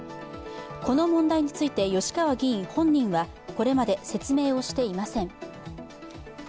この問題について吉川議員本人はこれまで説明をしていません。